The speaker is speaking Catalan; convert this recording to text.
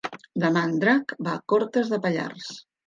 Demà en Drac va a Cortes de Pallars.